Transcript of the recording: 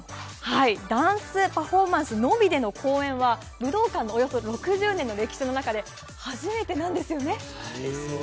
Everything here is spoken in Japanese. ダンスパフォーマンスのみでの公演は武道館のおよそ６０年の歴史の中でそうなんですよ。